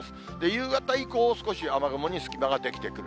夕方以降、少し雨雲に隙間が出来てくる。